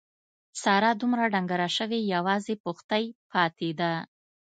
ساره دومره ډنګره شوې یوازې پښتۍ پاتې ده.